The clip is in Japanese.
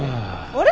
あれ？